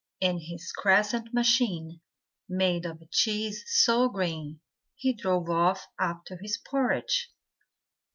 In his crescent machine, Made of cheese so green, He drove off after his porridge.